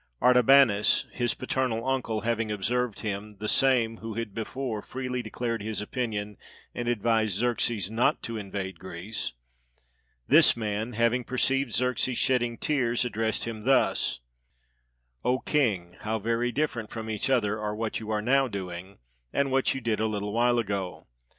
Artabanus, his paternal uncle, having observed him, the same who had before freely declared his opinion, and advised Xerxes not to invade Greece; this man, having perceived Xerxes shedding tears, addressed him thus: "O King, how very different from each other are what you are now doing and what you did a little while ago!